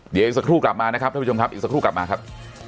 เดี๋ยวอีกสักครู่กลับมานะครับท่านผู้ชมครับอีกสักครู่กลับมาครับ